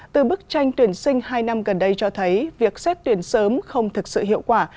từ bức tranh tuyển sinh hai năm gần đây cho thấy việc xét tuyển sớm không thực sự hiệu quả